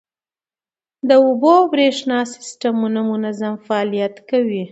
د اوبو او بریښنا سیستمونه منظم فعالیت کوي.